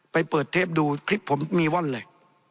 ไปเปิดเทปดูคลิปผมมีว่อนเลย